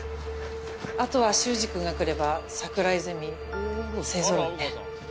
後は秀司君が来れば桜井ゼミ勢ぞろいね。